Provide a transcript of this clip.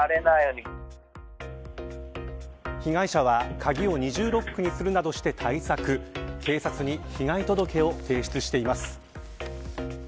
被害者は鍵を二重ロックにするなどして対策警察に被害届を提出しています。